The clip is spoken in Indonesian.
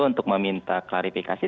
untuk meminta klarifikasi